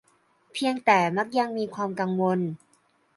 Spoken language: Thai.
เพียงแต่มักยังมีความกังวล